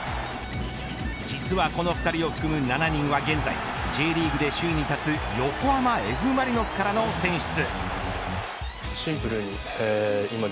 実はこの２人を含む７人は、現在Ｊリーグで首位に立つ横浜Ｆ・マリノスからの選出。